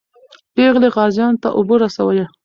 پېغلې غازیانو ته اوبه رسولې.